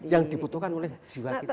yang dibutuhkan oleh jiwa kita